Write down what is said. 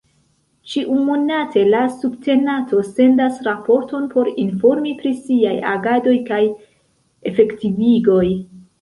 Ĉiumonate la subtenato sendas raporton por informi pri siaj agadoj kaj efektivigoj.